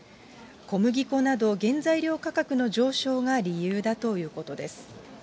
小麦粉など、原材料価格の上昇が理由だということです。